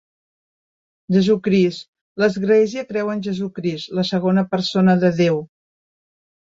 Jesucrist, l'església creu en Jesucrist, la segona persona de Déu.